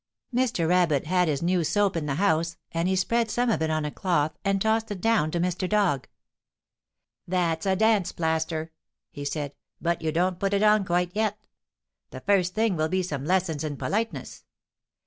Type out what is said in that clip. Mr. Rabbit had his new soap in the house, and he spread some of it on a cloth and tossed it down to Mr. Dog. "That's a dance plaster," he said, "but you don't put it on quite yet. The first thing will be some lessons in politeness.